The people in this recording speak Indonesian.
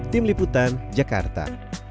tim liputan jakarta